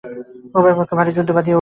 উভয় পক্ষে ভারি যুদ্ধ বাধিয়া উঠিল।